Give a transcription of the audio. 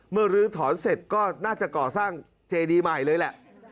ลื้อถอนเสร็จก็น่าจะก่อสร้างเจดีใหม่เลยแหละ